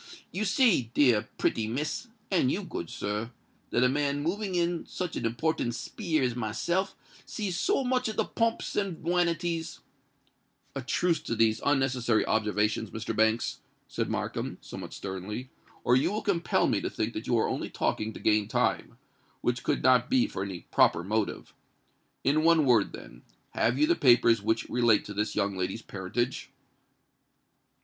You see, dear pretty Miss—and you, good sir,—that a man moving in such a important speer as myself sees so much of the pomps and wanities——" "A truce to these unnecessary observations, Mr. Banks," said Markham, somewhat sternly; "or you will compel me to think that you are only talking to gain time—which could not be for any proper motive. In one word, then—have you the papers which relate to this young lady's parentage?"